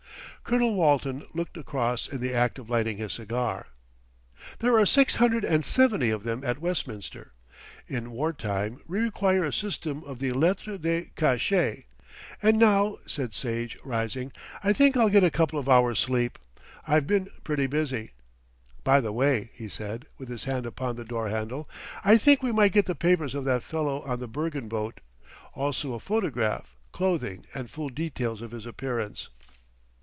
Colonel Walton looked across in the act of lighting his cigar. "There are six hundred and seventy of them at Westminster. In war time we require a system of the lettre de cachêt. And now," said Sage, rising, "I think I'll get a couple of hours' sleep, I've been pretty busy. By the way," he said, with his hand upon the door handle, "I think we might get the papers of that fellow on the Bergen boat, also a photograph, clothing, and full details of his appearance."